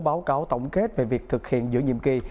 báo cáo tổng kết về việc thực hiện giữa nhiệm kỳ